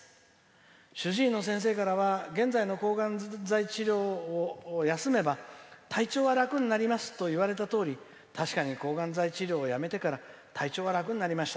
主治医の先生からは現在の抗がん剤治療を休めば体調は楽になりますと言われたとおり確かに抗がん剤治療をやめてから体調は楽になりました。